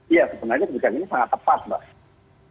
iya sebenarnya kebijakan ini sangat tepat mbak